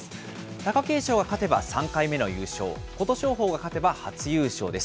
貴景勝が勝てば３回目の優勝、琴勝峰が勝てば初優勝です。